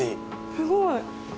すごい。